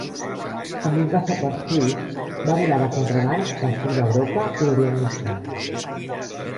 Amb un passaport suïs, va volar de contraban pel sud d'Europa i l'Orient Mitjà.